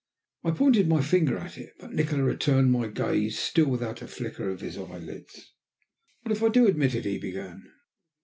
I pointed my finger at it, but Nikola returned my gaze still without a flicker of his eyelids. "What if I do admit it?" he began.